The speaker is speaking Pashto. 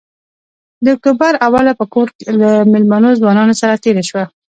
د اکتوبر اوله په کور له مېلمنو ځوانانو سره تېره شوه.